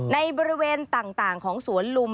ในบริเวณต่างของสวนลุม